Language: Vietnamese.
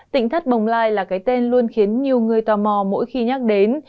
tỉnh thất bồng lai là cái tên luôn khiến nhiều người tò mò mỗi khi nhắc đến